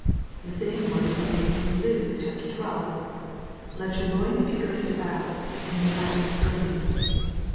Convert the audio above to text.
The same word is used in Luke xii. :" Let your loins be girded about, and your lamps burning."